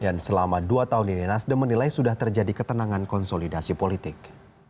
dan selama dua tahun ini nasdem menilai sudah terjadi ketenangan konsolidasi politik